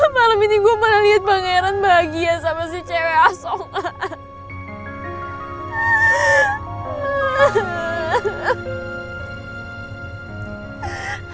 malem ini gue malah liat pangeran bahagia sama si cewek asongan